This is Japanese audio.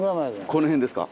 この辺ですか？